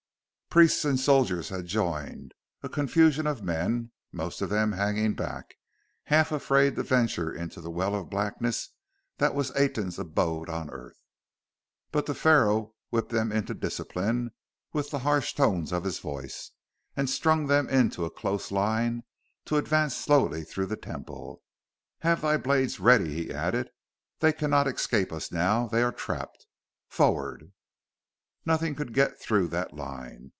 Priests and soldiers had joined, a confusion of men, most of them hanging back, half afraid to venture into the well of blackness that was Aten's abode on earth. But the Pharaoh whipped them into discipline with the harsh tones of his voice, and strung them into a close line, to advance slowly through the Temple. "Have thy blades ready!" he added. "They cannot escape us now: they are trapped. Forward!" Nothing could get through that line.